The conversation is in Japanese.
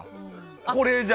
これじゃ。